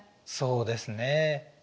そうですね。